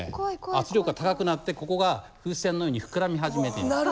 圧力が高くなってここが風船のように膨らみ始めています。